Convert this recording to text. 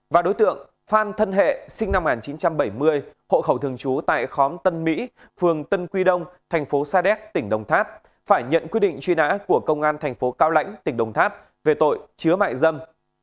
và đối tượng phan thân hệ sinh năm một nghìn chín trăm bảy mươi hộ khẩu thường trú tại khóm tân mỹ phường tân quy đông thành phố sa đéc tỉnh đồng tháp phải nhận quyết định truy nã của công an thành phố cao lãnh tỉnh đồng tháp về tội chứa mại dâm